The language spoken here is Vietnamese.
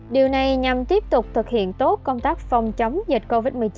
điều này nhằm tiếp tục thực hiện tốt công tác phòng chống dịch covid một mươi chín